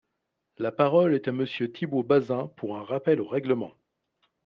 La parole est à Monsieur Thibault Bazin, pour un rappel au règlement.